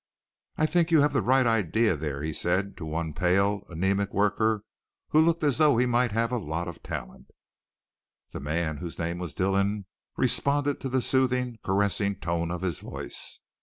"I think you have the right idea there," he said to one pale, anæmic worker who looked as though he might have a lot of talent. The man, whose name was Dillon, responded to the soothing, caressing tone of his voice.